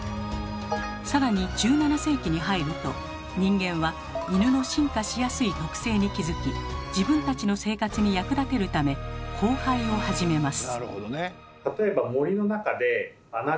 更に１７世紀に入ると人間は犬の進化しやすい特性に気付き自分たちの生活に役立てるため交配を始めます。